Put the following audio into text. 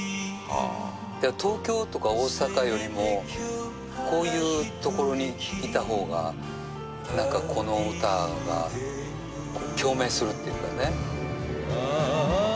だから東京とか大阪よりも、こういう所にいたほうが、なんかこの歌が共鳴するっていうかね。